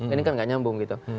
ini kan nggak nyambung gitu